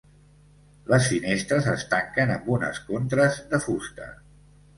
Les finestres es tanquen amb unes contres de fusta.